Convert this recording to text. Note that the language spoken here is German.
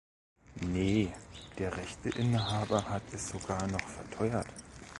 Nee, der Rechteinhaber hat es sogar noch verteuert.